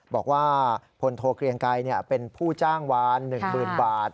บอกว่าพลโทเกลียงไกรเป็นผู้จ้างวาน๑๐๐๐บาท